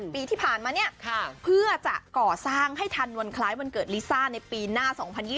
ปีที่ผ่านมาเนี่ยเพื่อจะก่อสร้างให้ทันวันคล้ายวันเกิดลิซ่าในปีหน้า๒๐๒๐